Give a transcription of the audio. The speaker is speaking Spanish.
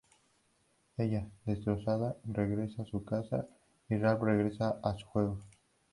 Ella, destrozada, regresa a su casa y Ralph regresa a su juego.